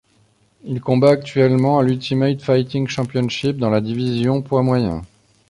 Il combat actuellement à l'Ultimate Fighting Championship dans la division poids moyens.